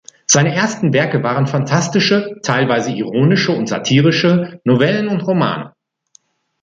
Seine ersten Werke waren phantastische, teilweise ironische und satirische Novellen und Romane.